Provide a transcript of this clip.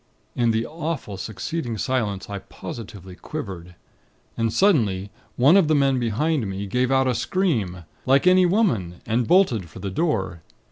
In the awful succeeding silence, I positively quivered. And suddenly, one of the men behind me, gave out a scream, like any woman, and bolted for the door.